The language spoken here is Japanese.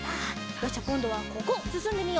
よしじゃあこんどはここすすんでみよう。